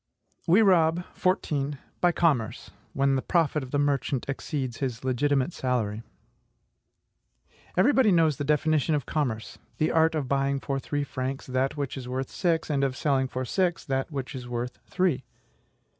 We rob, 14. By commerce, when the profit of the merchant exceeds his legitimate salary. Everybody knows the definition of commerce THE ART OF BUYING FOR THREE FRANCS THAT WHICH IS WORTH SIX, AND OF SELLING FOR SIX THAT WHICH IS WORTH THREE.